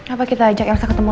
apa kita ajak ersa ketemu